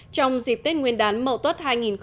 trong dịp tết nguyên đán mậu tốt hai nghìn một mươi tám